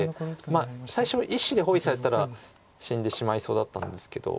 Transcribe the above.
最初１子で包囲されたら死んでしまいそうだったんですけど。